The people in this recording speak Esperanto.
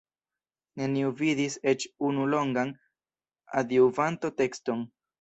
Neniu vidis eĉ unu longan Adjuvanto-tekston.